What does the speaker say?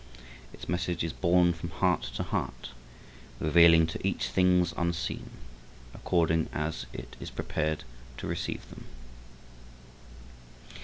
Its message is borne from heart to heart, revealing to each things unseen, according as it is prepared to receive them.